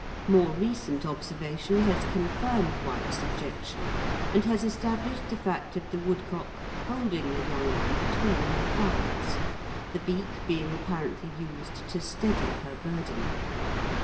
More recent observation has confirmed White's objection and has established the fact of the woodcock holding the young one between her thighs, the beak being apparently used to steady her burden.